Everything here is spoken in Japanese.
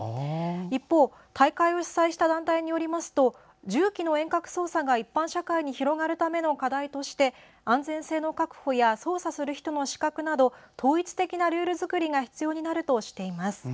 一方、大会を主催した団体によりますと重機の遠隔操作が一般社会に広がるための課題として安全性の確保や操作する人の資格など統一的なルール作りが必要になるとしています。